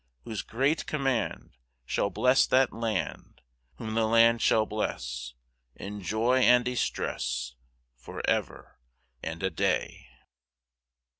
Whose great command Shall bless that land Whom the land shall bless In joy and distress Forever and a day!